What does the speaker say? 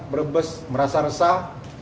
merebes merasa resah